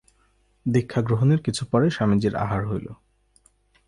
দীক্ষাগ্রহণের কিছু পরে স্বামীজীর আহার হইল।